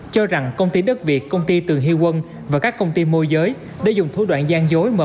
cho rằng công ty đất việt công ty tường hy quân và các công ty môi giới đã dùng thủ đoạn gian dối